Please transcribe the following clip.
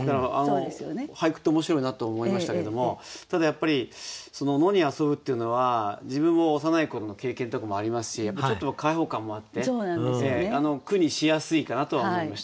俳句って面白いなと思いましたけれどもただやっぱり野に遊ぶっていうのは自分も幼い頃の経験とかもありますしちょっと解放感もあって句にしやすいかなとは思いました。